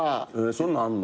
そんなんあるの！？